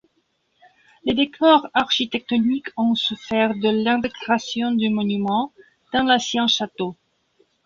Les décors architectoniques ont souffert de l'intégration du monument dans l'ancien château.